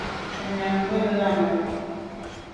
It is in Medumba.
Shutnyàm be leme.